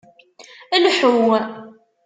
Lḥu!